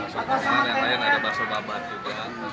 bakso basah yang lain ada bakso babat juga